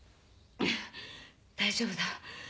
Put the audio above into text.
大丈夫だ。